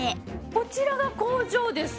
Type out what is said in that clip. こちらが工場ですか？